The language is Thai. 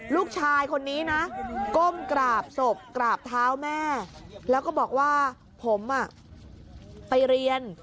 ลูกชายคนนี้นะก้มกราบศพกราบเท้าแม่แล้วก็บอกว่าผมไปเรียน